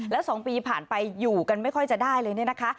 แล้ว๒ปีผ่านไปอยู่กันไม่ค่อยจะได้เลยเนี่ยนะคะ